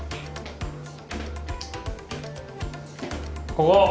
ここ！